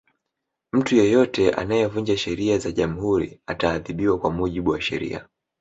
mtu yeyote anayevunja sheria za jamhuri ataadhibiwa kwa mujibu wa sheria